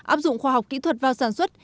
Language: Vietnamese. áp dụng khoa học kỹ thuật vào sản xuất